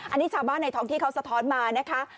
อันนี้ชาวบ้านในท้องที่เขาสะท้อนมานะคะ